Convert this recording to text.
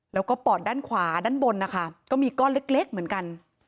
แล้วก็ปอดด้านขวาด้านบนนะคะก็มีก้อนเล็กเหมือนกัน